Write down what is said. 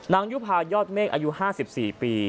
น้างยุภายอดเมฆอายุห้าสิบสี่ปี